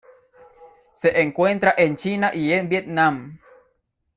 Se encuentra en China y en Vietnam.